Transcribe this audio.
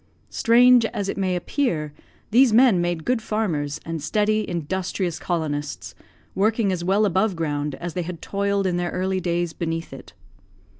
Strange as it may appear, these men made good farmers, and steady, industrious colonists, working as well above ground as they had toiled in their early days beneath it.